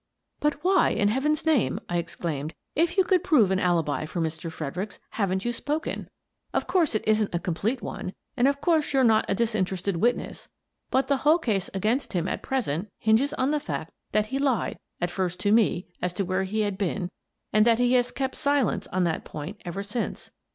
" But why, in heaven's name," I exclaimed, " if you could prove an alibi for Mr. Fredericks, haven't you spoken ? Of course it isn't a complete one, and of course you're not a disinterested witness, but the whole case against him at present hinges on the fact that he lied at first to me as to where he had been and that he has kept silence on that point ever since.